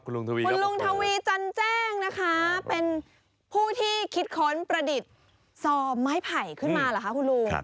คุณลุงทวีจันแจ้งนะคะเป็นผู้ที่คิดค้นประดิษฐ์ซอมไม้ไผ่ขึ้นมาเหรอคะคุณลุง